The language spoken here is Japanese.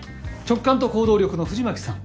直感と行動力の藤巻さん。